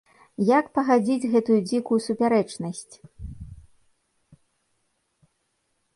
Як пагадзіць гэтую дзікую супярэчнасць?